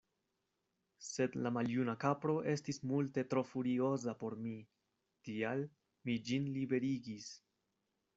Sed la maljuna kapro estis multe tro furioza por mi, tial mi ĝin liberigis.